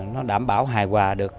nó đảm bảo hài hòa được